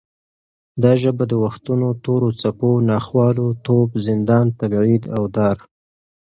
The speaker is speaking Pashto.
دا ژبه د وختونو تورو څپو، ناخوالو، توپ، زندان، تبعید او دار